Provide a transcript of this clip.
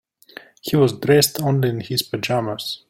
He was dressed only in his pajamas.